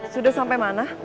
sudah sampai mana